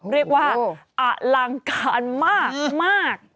เรียกว่าอลังการมาก